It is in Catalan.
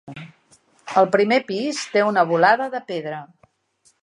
El primer pis té una volada de pedra.